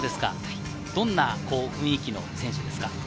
どんな雰囲気の選手ですか？